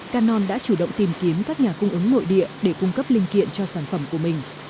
canon đã chủ động tìm kiếm các nhà cung ứng nội địa để cung cấp linh kiện cho sản phẩm của mình